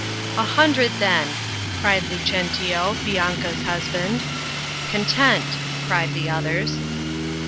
'* "A hundred then,'' cried Lucentio, Bianca's husband. "Content," cried the others.